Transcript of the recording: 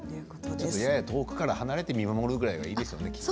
やや遠くから離れて見守るぐらいでいいですよね。